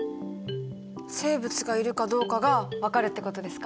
生物がいるかどうかが分かるってことですか？